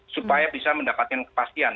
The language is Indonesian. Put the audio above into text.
supaya bisa mendapatkan kepastian